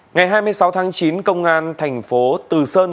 ngày hai mươi sáu tháng chín công an tp từ sơn